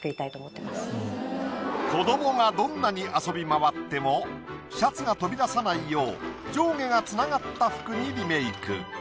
子どもがどんなに遊び回ってもシャツが飛び出さないよう上下がつながった服にリメイク。